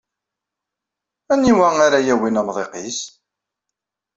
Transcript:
Aniwa ara yawin amḍiq-is?